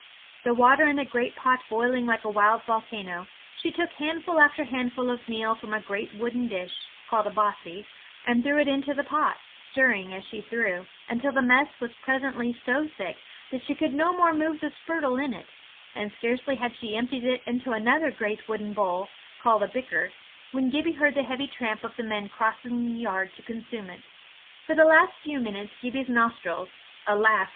The water in the great pot boiling like a wild volcano, she took handful after handful of meal from a great wooden dish, called a bossie, and threw it into the pot, stirring as she threw, until the mess was presently so thick that she could no more move the spurtle in it; and scarcely had she emptied it into another great wooden bowl, called a bicker, when Gibbie heard the heavy tramp of the men crossing the yard to consume it. For the last few minutes, Gibbie's nostrils alas!